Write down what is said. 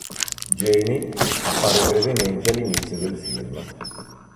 Jamie appare brevemente all'inizio del film.